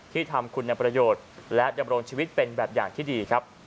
ที่ทำคุณประโยชน์และดำรงชีวิตเป็นแบบอย่างที่ดีครับ